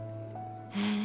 へえ。